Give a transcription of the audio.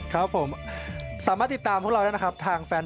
ช่วงกลาง